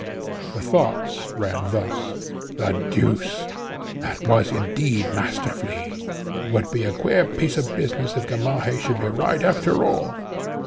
The thoughts ran thus: "The deuce! that was, indeed, Master Flea! It would be a queer piece of business if Gamaheh should be right after all."